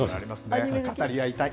語り合いたい。